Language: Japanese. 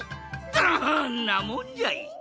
ドンなもんじゃい！